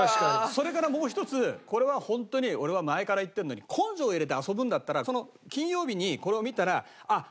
それからもう１つこれは本当に俺は前から言ってるのに根性を入れて遊ぶんだったら金曜日にこれを見たらあっ